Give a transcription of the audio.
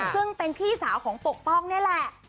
ซึ่งเป็นพี่สาวของปกป้องนี่แหละ